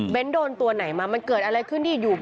โดนตัวไหนมามันเกิดอะไรขึ้นที่อยู่